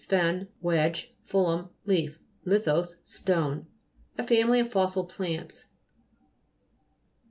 sphen, wedge, phullon, leaf, lithos, stone. A family of fossil plants.